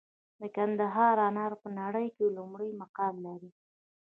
د کندهار انار په نړۍ کې لومړی مقام لري.